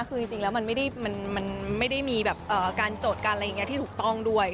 คือจริงแล้วมันไม่ได้มีการโจทย์การอะไรอย่างนี้ที่ถูกต้องด้วย